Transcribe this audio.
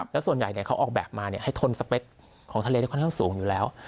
แล้วส่วนใหญ่เขาออกแบบมาให้ทนสเปคของทะเลได้ค่อนข้างสูงอยู่แล้ว